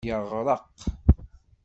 Yeɣreq.